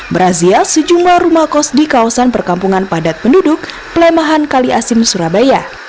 berazia sejumlah rumah kos di kawasan perkampungan padat penduduk plemahan kali asin surabaya